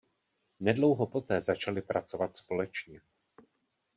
Nedlouho poté začali pracovat společně.